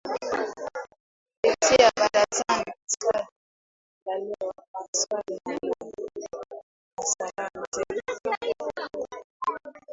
Kupitia ‘Barazani’ na ‘Swali la Leo’, 'Maswali na Majibu', na 'Salamu Zenu'